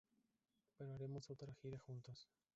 Pero haremos otra gira juntos.